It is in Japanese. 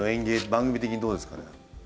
番組的にどうですかね？